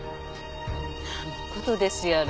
なんの事ですやろ。